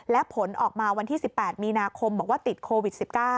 และผลออกมาวันที่๑๘มีนาคมบอกว่าติดโควิด๑๙